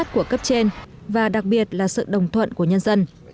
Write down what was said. hệ thống của cấp trên và đặc biệt là sự đồng thuận của nhân dân